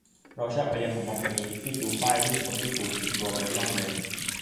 เราชอบไอเดียของม็อบวันนี้ที่ชูป้ายรูปคนที่ถูกคุมตัวไปมากเลย